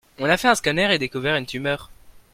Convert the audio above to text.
on a fait un scanner et découvert une tumeur.